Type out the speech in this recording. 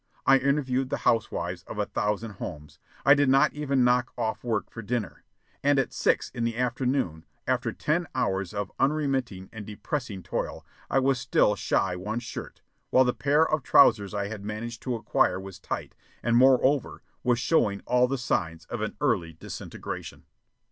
I interviewed the housewives of a thousand homes. I did not even knock off work for dinner. And at six in the afternoon, after ten hours of unremitting and depressing toil, I was still shy one shirt, while the pair of trousers I had managed to acquire was tight and, moreover, was showing all the signs of an early disintegration.